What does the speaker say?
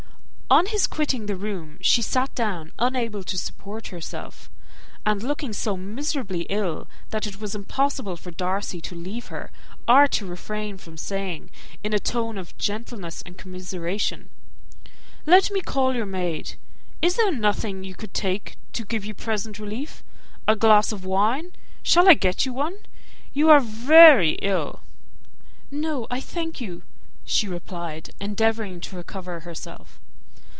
On his quitting the room, she sat down, unable to support herself, and looking so miserably ill, that it was impossible for Darcy to leave her, or to refrain from saying, in a tone of gentleness and commiseration, "Let me call your maid. Is there nothing you could take to give you present relief? A glass of wine; shall I get you one? You are very ill." "No, I thank you," she replied, endeavouring to recover herself.